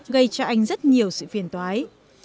gây cho anh rất nhiều sự phiền toái